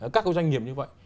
các doanh nghiệp như vậy